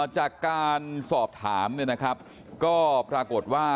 จากการสอบถามนะครับก็ปรากฏว่า